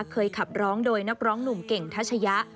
เคยขับร้องโดยนักร้องหนุ่มเก่งทัชยะ